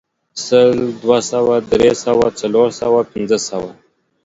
سل، دوه سوه، درې سوه، څلور سوه، پنځه سوه